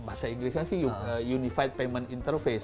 bahasa inggrisnya sih unified payment interface